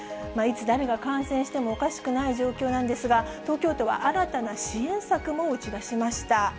いつ、誰が感染してもおかしくない状況なんですが、東京都は新たな支援策も打ち出しました。